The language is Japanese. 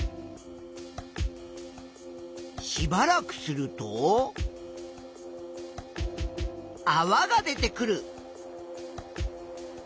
しばらくするとあわが出てくる。